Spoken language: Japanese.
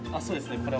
そうですね。